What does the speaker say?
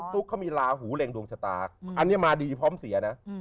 ตุ๊กเขามีลาหูเร็งดวงชะตาอันนี้มาดีพร้อมเสียนะ